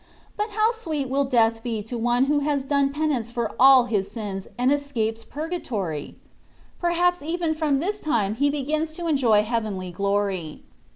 But how sweet will death be to one who has done penance for all his sins, and escapes purgatory! Perhaps even from this time he begins to enjoy heavenly glory.